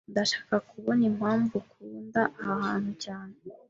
Ndashobora kubona impamvu ukunda aha hantu cyane.